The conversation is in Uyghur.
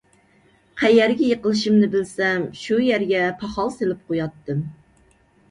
قەيەرگە يىقىلىشىمنى بىلسەم، شۇ يەرگە پاخال سېلىپ قوياتتىم.